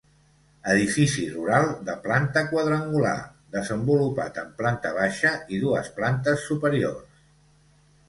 Edifici rural de planta quadrangular, desenvolupat en planta baixa i dues plantes superiors.